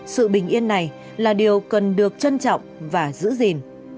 sự bình yên này là điều cần được trân trọng và giữ gìn